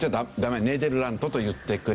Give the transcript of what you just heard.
ネーデルラントと言ってくれ。